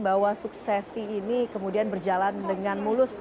bahwa suksesi ini kemudian berjalan dengan mulus